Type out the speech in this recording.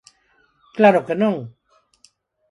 "claro que non"."